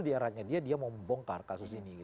di arahnya dia dia mau membongkar kasus ini